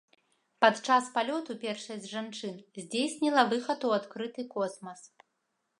Падчас палёту першай з жанчын здзейсніла выхад у адкрыты космас.